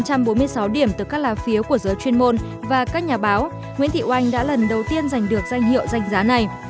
với tám trăm bốn mươi sáu điểm từ các lào phiếu của giới chuyên môn và các nhà báo nguyễn thị oanh đã lần đầu tiên giành được danh hiệu danh giá này